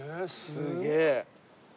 すげえ！